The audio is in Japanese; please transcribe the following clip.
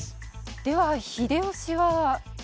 では秀吉は？